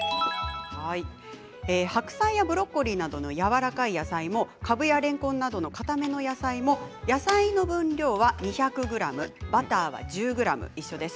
白菜やブロッコリーなどのやわらかい野菜もかぶやれんこんなどのかための野菜も野菜の分量は２００ｇバターは１０ｇ、一緒です。